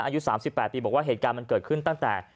อายุ๓๘ปีบอกว่าเหตุการณ์มันเกิดขึ้นตั้งแต่